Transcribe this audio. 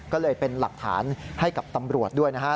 ก็เลยเป็นหลักฐานให้กับตำรวจด้วยนะฮะ